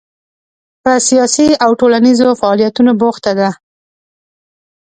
په سیاسي او ټولنیزو فعالیتونو بوخته ده.